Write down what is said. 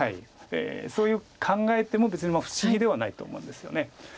そういうふうに考えても別に不思議ではないと思うんですよね。